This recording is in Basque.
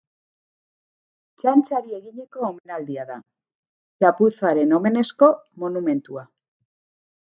Txantxari eginiko omenaldia da, txapuzaren omenezko monumentua.